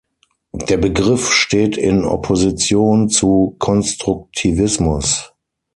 Der Begriff steht in Opposition zu Konstruktivismus.